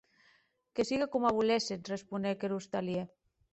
Que sigue coma voléssetz, responec er ostalièr.